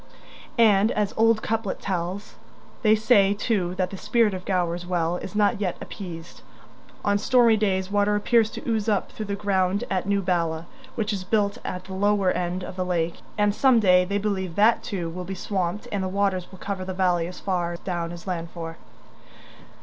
And, as the old couplet tells, they say too that the spirit of Gower's Well is not yet appeased. On stormy days water appears to ooze up through the ground at new Bala, which is built at the lower end of the lake, and some day they believe that too will be swamped and the waters will cover the valley as far down as Llanfor.